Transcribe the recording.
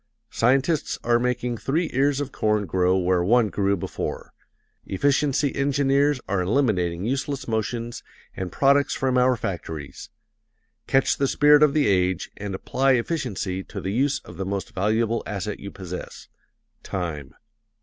Scientists are making three ears of corn grow where one grew before; efficiency engineers are eliminating useless motions and products from our factories: catch the spirit of the age and apply efficiency to the use of the most valuable asset you possess time.